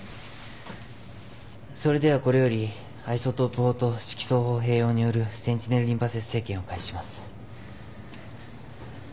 それではこれよりアイソトープ法と色素法併用によるセンチネルリンパ節生検を開始します。